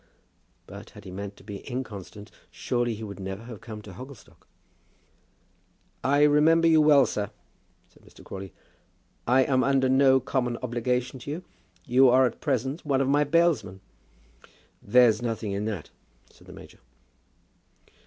But had he meant to be inconstant, surely he would never have come to Hogglestock! "I remember you well, sir," said Mr. Crawley. "I am under no common obligation to you. You are at present one of my bailsmen." "There's nothing in that," said the major.